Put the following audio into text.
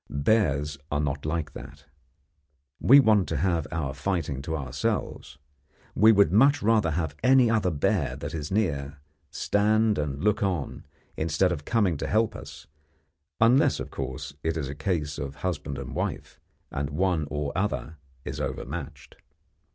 Bears are not like that. We want to have our fighting to ourselves. We would much rather have any other bear that is near stand and look on instead of coming to help us unless, of course, it is a case of husband and wife, and one or other is overmatched.